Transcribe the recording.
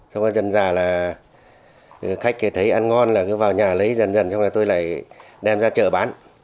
xong rồi dần già là khách thì thấy ăn ngon là cứ vào nhà lấy dần dần xong rồi tôi lại đem ra chợ bán